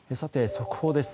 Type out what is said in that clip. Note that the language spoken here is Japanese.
速報です。